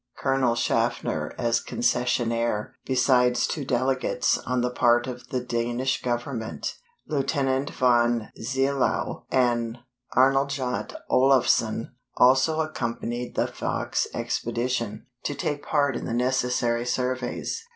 Colonel Shaffner, as concessionaire besides two delegates on the part of the Danish Government, Lieutenant von Zeilau and Arnljot Olafsson also accompanied the Fox expedition, to take part in the necessary surveys.